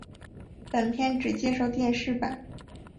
本篇只介绍电视版。